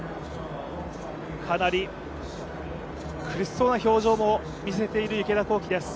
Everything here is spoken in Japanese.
かなり苦しそうな表情も見せている池田向希です。